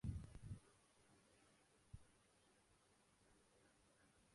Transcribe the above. راکی Flair کے بارے میں کچھ کریں گے آپ لوگ